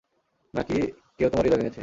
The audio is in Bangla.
নাকি, কেউ তোমার হৃদয় ভেঙেছে?